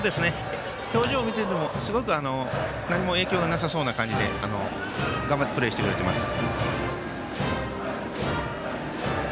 表情を見てても、すごく何も影響がなさそうな感じで頑張ってプレーしてくれています。